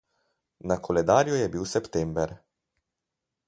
Na koledarju je bil september.